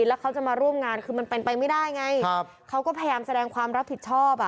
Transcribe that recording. แล้วเขาจะมาร่วมงานคือมันเป็นไปไม่ได้ไงเขาก็พยายามแสดงความรับผิดชอบอ่ะ